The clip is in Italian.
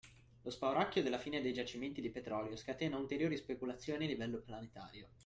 Lo spauracchio della fine dei giacimenti di petrolio scatena ulteriori speculazioni a livello planetario.